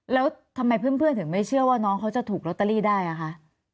แล้วทำไมเพื่อนถึงไม่เชื่อว่าน้องเขาจะถูกลอตเตอรี่ได้อ่ะคะ